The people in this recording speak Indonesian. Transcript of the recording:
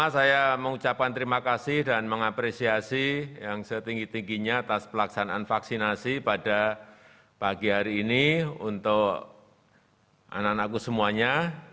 saya mengapresiasi yang setinggi tingginya atas pelaksanaan vaksinasi pada pagi hari ini untuk anak anakku semuanya